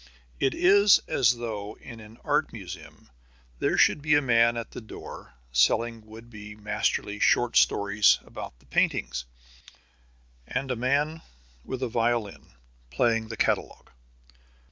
It is as though in an art museum there should be a man at the door selling would be masterly short stories about the paintings, and a man with a violin playing the catalogue.